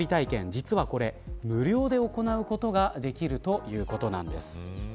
実はこれ、無料で行うことができるということなんです。